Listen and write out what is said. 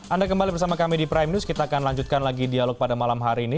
anda kembali bersama kami di prime news kita akan lanjutkan lagi dialog pada malam hari ini